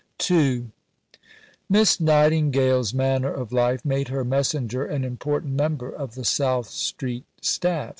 II Miss Nightingale's manner of life made her messenger an important member of the South Street staff.